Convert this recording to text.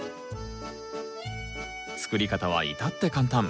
作り方は至って簡単。